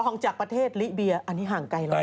จากประเทศลิเบียอันนี้ห่างไกลเลย